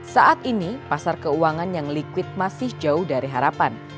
saat ini pasar keuangan yang liquid masih jauh dari harapan